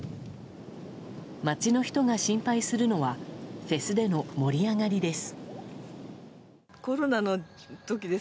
町の人が心配するのはフェスでの盛り上がりです。